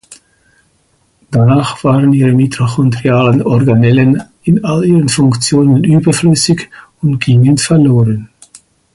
Danach waren ihre mitochondrialen Organellen in all ihren Funktionen überflüssig und gingen verloren.